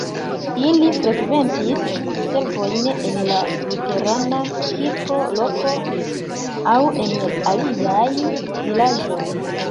Ili frekventis diservojn en la luterana kirko loke aŭ en aliaj vilaĝoj.